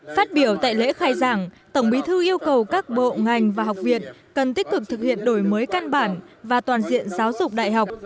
phát biểu tại lễ khai giảng tổng bí thư yêu cầu các bộ ngành và học viện cần tích cực thực hiện đổi mới căn bản và toàn diện giáo dục đại học